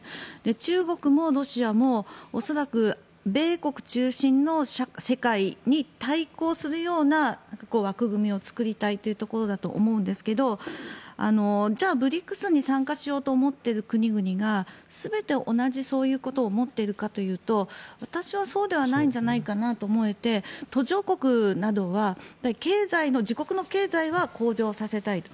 中国もロシアも恐らく米国中心の世界に対抗するような枠組みを作りたいというところだと思うんですがじゃあ、ＢＲＩＣＳに参加しようと思っている国々が全て同じことを思っているかというと私はそうではないんじゃないかなと思えて途上国などは自国の経済は向上させたいと。